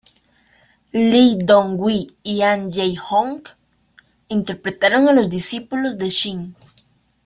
Lee Dong-hwi y Ahn Jae-hong interpretaron a los discípulos de Shin.